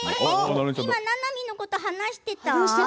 今ななみのこと話していた？